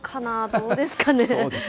どうですかね。